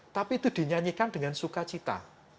tapi itu dinyanyikan dengan suka cita